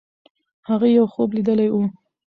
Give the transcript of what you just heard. هغې یو خوب لیدلی وو.